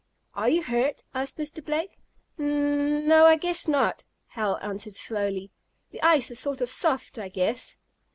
"Are you hurt?" asked Mr. Blake. "N n no; I guess not," Hal answered slowly. "The ice is sort of soft, I guess."